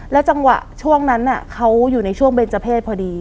ด้วยจังหวะช่วงนั้นเขาอยู่ในช่วงเบรนจเพศพอดี